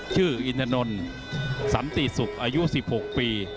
ชื่ออินทนนสันติสุกอายุ๑๖ปี